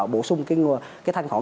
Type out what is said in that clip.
bổ sung cái thanh khoản